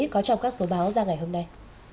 có trong các số báo ra ngày hôm nay